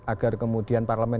agar kemudian parlemen